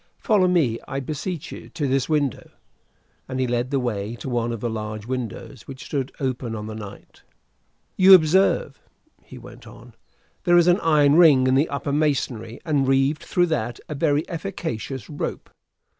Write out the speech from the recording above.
Follow me, I beseech you, to this window." And he led the way to one of the large windows which stood open on the night. "You observe," he went on, "there is an iron ring in the upper masonry, and, reeved through that, a very efficacious rope.